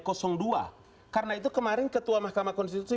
karena itu kemarin ketua mahkamah konstitusi